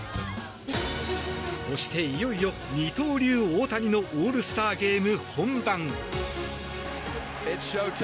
そして、いよいよ二刀流・大谷のオールスターゲーム本番。